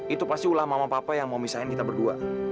itu pasti ulama mama papa yang mau misahin kita berdua